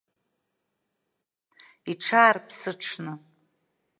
Иҽаарԥсыҽны.